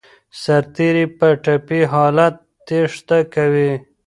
سرتیري په ټپي حالت تېښته کوي.